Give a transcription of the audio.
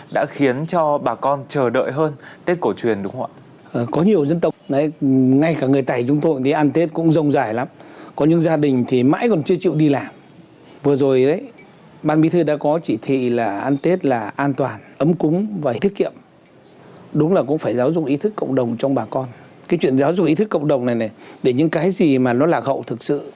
làm cho bà con phấn khởi tăng cường sự đoàn kết giữa các dân tộc nối chung và các dân tộc hà nhi ở cực tế của tổ quốc